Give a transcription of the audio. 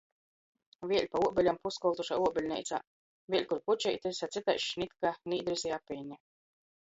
Vēļ pa uobeļam puskoltušā uobeļneicā, vēļ kur pučeitis, a cytaiž šnitka, nīdris i apeini.